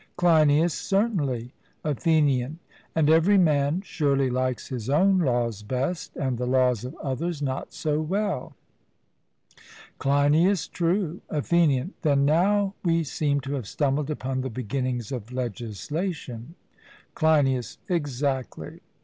CLEINIAS: Certainly. ATHENIAN: And every man surely likes his own laws best, and the laws of others not so well. CLEINIAS: True. ATHENIAN: Then now we seem to have stumbled upon the beginnings of legislation. CLEINIAS: Exactly.